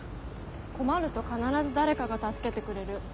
困ると必ず誰かが助けてくれる。